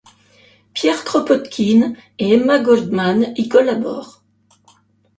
Pierre Kropotkine et Emma Goldman y collaborent.